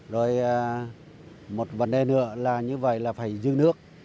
rồi một vấn đề nữa là như vậy là phải giữ nước